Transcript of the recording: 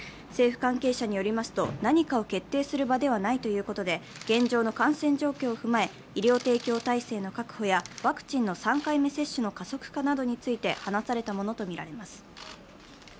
政府関係者によりますと、何かを決定する場ではないということで、現状の感染状況を踏まえ、医療提供体制の確保やワクチンの３回目接種の加速化などについて話されたものとみられます。